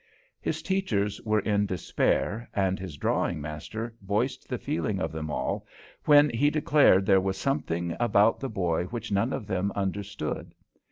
His teachers were in despair, and his drawing master voiced the feeling of them all when he declared there was something about the boy which none of them understood.